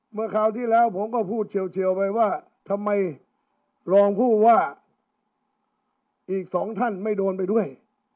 คราวที่แล้วผมก็พูดเชียวไปว่าทำไมรองผู้ว่าอีกสองท่านไม่โดนไปด้วย